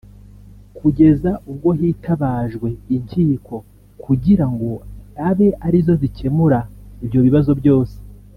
kugeza ubwo hitabajwe inkiko kugirango abe ari zo zikemura ibyo bibazo byose